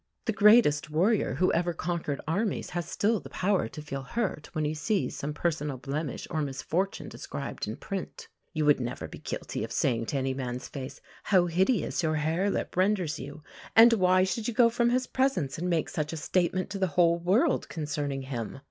The greatest warrior who ever conquered armies has still the power to feel hurt when he sees some personal blemish or misfortune described in print. You would never be guilty of saying to any man's face, "How hideous your harelip renders you" and why should you go from his presence and make such a statement to the whole world concerning him?